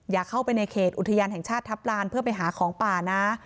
อย่าเข้าไปในเขตอุทยานแห่งชาติทัพลานเพื่อไปหาของป่านะ